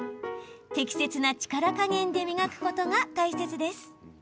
適切な力加減で磨くことが大切です。